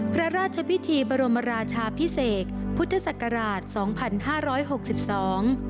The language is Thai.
พระราชพิธีบรมราชาพิเศษพุทธศักราชสองพันห้าร้อยหกสิบสอง